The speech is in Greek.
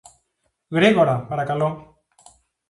Γρήγορα, παρακαλώ